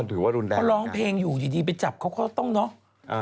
เพราะร้องเพลงอยู่อย่างนี้ไปจับเขาก็ต้องเนอะ